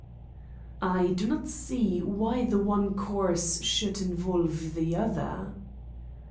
"I do not see why the one course should involve the other."